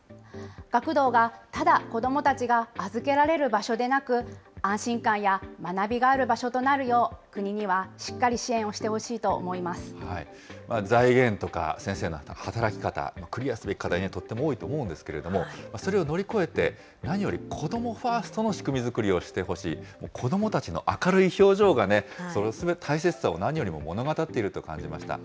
学童がただ子どもたちが預けられる場所でなく、安心感や学びがある場所となるよう、国にはしっかり支援をし財源とか、先生の働き方、クリアすべき課題がとっても多いと思うんですけど、それを乗り越えて、何より子どもファーストの仕組み作りをしてほしい、子どもたちの明るい表情がね、大切さを何よりも物語っていると感じました。